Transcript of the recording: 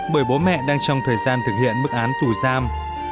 bởi bố mẹ đang trong thời gian thực hiện bức án tù giam